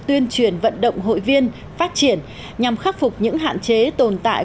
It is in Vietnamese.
tuyên truyền vận động hội viên phát triển nhằm khắc phục những hạn chế tồn tại